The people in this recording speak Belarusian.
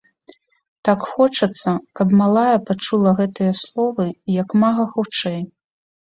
Так хочацца, каб малая пачула гэтыя словы, як мага хутчэй.